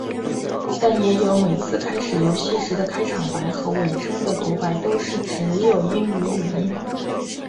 但也有每次开始游戏时的开场白和尾声的读白都是只有英语语音。